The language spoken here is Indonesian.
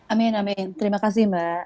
amin amin terima kasih mbak